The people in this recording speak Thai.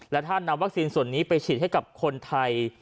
และถ้านำวัคซีนส่วนนี้ไปฉีดให้กับคนไทย